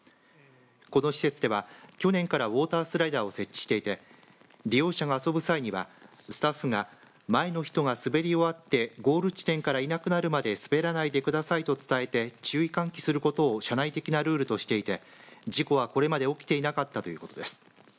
この施設は去年からウォータースライダーを設置していて利用者が遊ぶ際には、スタッフが前の人が滑り終わってゴール地点からいなくなるまで滑らないでくださいと伝えて注意喚起することを社内的なルールとしていて事故はこれまで起きていなかったということです。